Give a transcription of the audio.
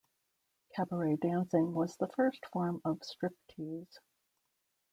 Cabaret dancing was the first form of "strip tease".